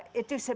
jadi di sana